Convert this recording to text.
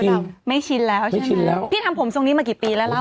ดีน่ะกินของออร์แกนิคก็สงสารผู้ประกอบการไม่อยากไปซ้ำเติมอะไรแข็งแด๋ว